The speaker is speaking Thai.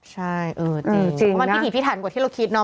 ใช่เออจริงน่ะเพราะมันผิดถันกว่าที่เราคิดเนอะ